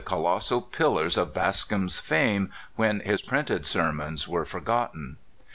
273 colossal pillars of Bascom's fame when his printed sermons were forgotten."